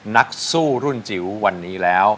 นักสู้รุ่นจิ๋ววันนี้แล้ว